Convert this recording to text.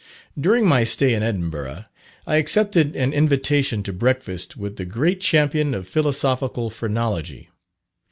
During my stay in Edinburgh, I accepted an invitation to breakfast with the great champion of Philosophical Phrenology.